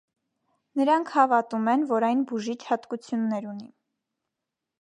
Նրանք հավատում են, որ այն բուժիչ հատկություններ ունի։